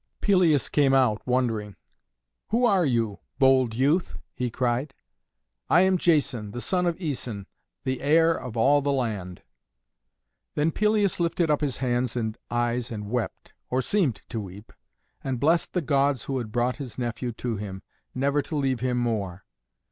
Pelias came out, wondering. "Who are you, bold youth?" he cried. "I am Jason, the son of Æson, the heir of all the land." Then Pelias lifted up his hands and eyes and wept, or seemed to weep, and blessed the gods who had brought his nephew to him, never to leave him more.